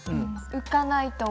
浮かない？